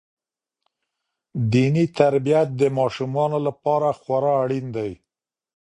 دیني تربیت د ماشومانو لپاره خورا اړین دی.